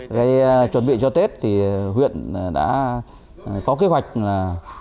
cái chuẩn bị cho tết thì huyện đã có kế hoạch là